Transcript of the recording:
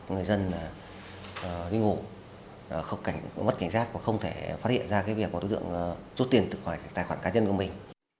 người dân đi ngủ mất cảnh sát và không thể phát hiện ra việc có đối tượng rút tiền từ tài khoản cá nhân của mình